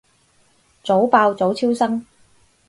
早爆早超生